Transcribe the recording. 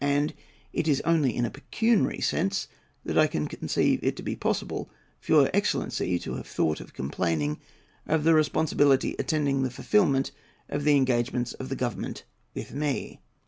And it is only in a pecuniary sense that I can conceive it to be possible for your excellency to have thought of complaining of the responsibility attending the fulfilment of the engagements of the Government with me.